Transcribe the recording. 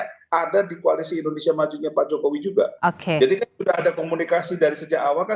partai indonesia maju pak jokowi juga oke jadi kan sudah ada komunikasi dari sejak awal kan